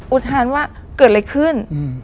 อุทานว่าเกิดอะไรขึ้น